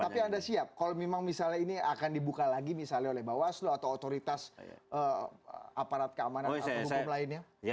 tapi anda siap kalau memang misalnya ini akan dibuka lagi misalnya oleh bawaslu atau otoritas aparat keamanan atau hukum lainnya